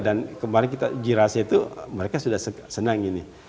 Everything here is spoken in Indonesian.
dan kemarin kita uji rasa itu mereka sudah senang ini